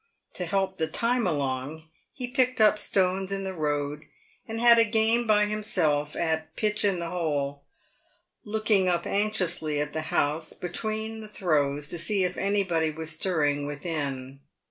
To help the time along he picked up stones in the road, and had a game by himself at pitch in the hole, looking up anxiously at the house, between the throws, to see if any body was stirring within.